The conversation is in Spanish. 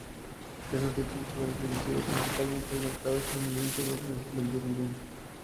Estos títulos fueron dirigidos principalmente al mercado estadounidense, donde se vendieron bien.